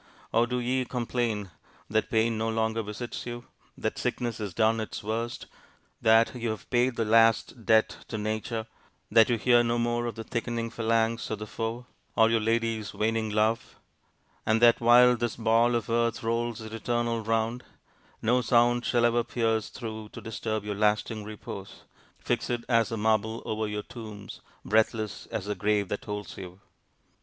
Or do ye complain that pain no longer visits you, that sickness has done its worst, that you have paid the last debt to nature, that you hear no more of the thickening phalanx of the foe, or your lady's waning love; and that while this ball of earth rolls its eternal round, no sound shall ever pierce through to disturb your lasting repose, fixed as the marble over your tombs, breathless as the grave that holds you!